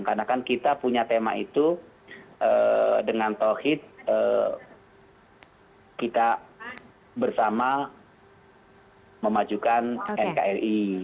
karena kan kita punya tema itu dengan tohid kita bersama memajukan nkri